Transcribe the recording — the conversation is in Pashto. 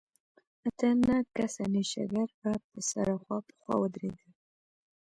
اته نه کسه نېشګر به سره خوا په خوا ودرېدل.